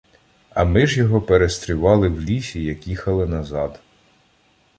А ми ж його перестрівали в лісі, як їхали назад.